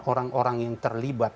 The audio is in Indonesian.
orang orang yang terlibat